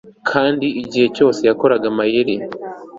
Kandi igihe cyose yakoraga amayeri